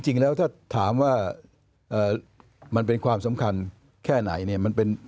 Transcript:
จริงแล้วถ้าถามว่ามันเป็นความสำคัญแค่ไหนเนี่ย